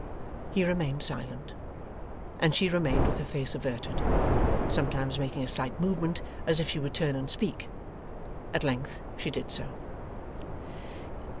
He remained silent, and she remained with her face averted, sometimes making a slight movement as if she would turn and speak. At length she did so.